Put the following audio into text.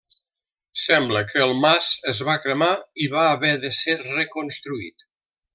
Sembla que el mas es va cremar i va haver de ser reconstruït.